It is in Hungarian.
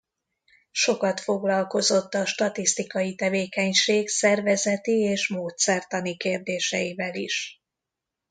Sokat foglalkozott a statisztikai tevékenység szervezeti és módszertani kérdéseivel is.